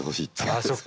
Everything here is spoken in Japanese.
ああそっか。